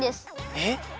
えっ！？